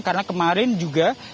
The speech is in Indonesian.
karena kemarin juga